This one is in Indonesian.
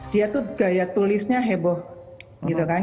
dia tuh gaya tulisnya heboh gitu kan